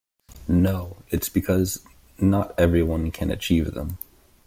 No, it's because not everyone can achieve them.